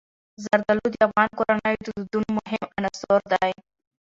زردالو د افغان کورنیو د دودونو مهم عنصر دی.